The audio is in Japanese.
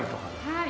はい。